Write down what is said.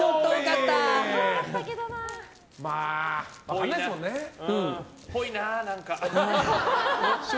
っぽいな何か。